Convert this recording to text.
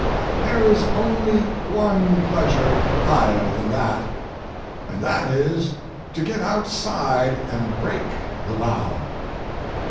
There is only one pleasure higher than that, and that is to get outside and break the vow.